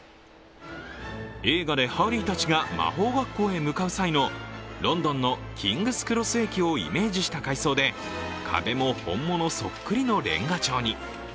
映画でハリーたちが魔法学校へ向かう際のロンドンのキングスクロス駅をイメージした改装で、壁も本物そっくりのれんが調に。